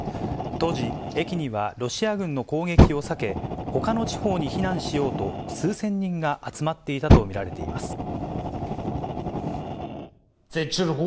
当時、駅にはロシア軍の攻撃を避け、ほかの地方に避難しようと、数千人が集まっていたと見られています。